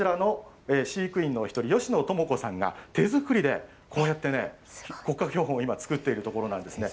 こちらの飼育員の１人、吉野友子さんが、手作りで、こうやってね、骨格標本を今、作っているところなんですね。